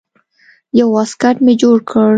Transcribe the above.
يو واسکټ مې جوړ کړ.